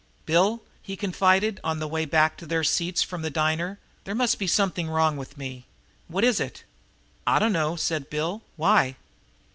"Bill," he confided, on the way back to their seats from the diner, "there must be something wrong with me. What is it?" "I dunno," said Bill. "Why?"